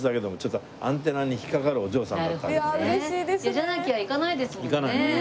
じゃなきゃ行かないですもんね